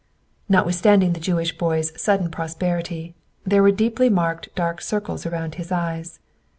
Notwithstanding the Jewish boy's sudden prosperity, there were deeply marked dark circles about his eyes.